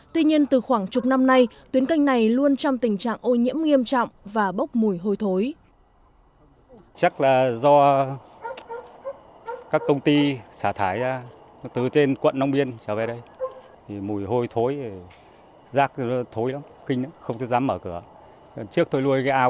tuy nhiên từ khoảng chục năm nay tuyến canh này luôn trong tình trạng ô nhiễm nghiêm trọng và bốc mùi hôi thối